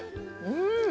うん！